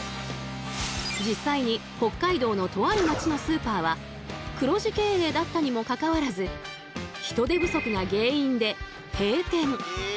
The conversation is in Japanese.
実際に北海道のとある町のスーパーは黒字経営だったにもかかわらず人手不足が原因で閉店。